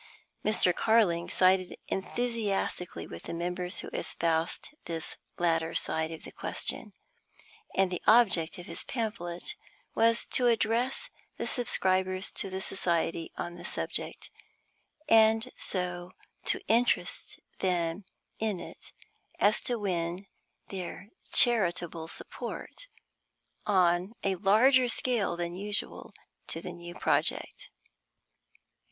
Mr. Carling sided enthusiastically with the members who espoused this latter side of the question, and the object of his pamphlet was to address the subscribers to the society on the subject, and so to interest them in it as to win their charitable support, on a larger scale than usual, to the new project.